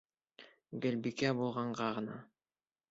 Гөлбикә булғанға ғына.